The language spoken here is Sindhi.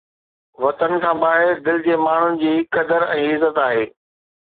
وطن کان ٻاهر دل جي ماڻهن جي قدر ۽ عزت آهي